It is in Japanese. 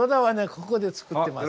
ここで作ってます。